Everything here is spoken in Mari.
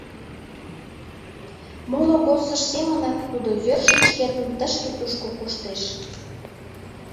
Моло годсыж семынак тудо йӧршын шкетын тышке-тушко коштеш.